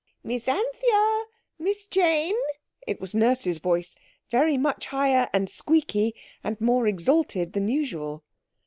"Miss Anthea—Miss Jane!" It was Nurse's voice, very much higher and squeaky and more exalted than usual.